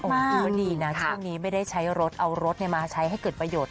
ก็ดีนะช่วงนี้ไม่ได้ใช้รถเอารถมาใช้ให้เกิดประโยชน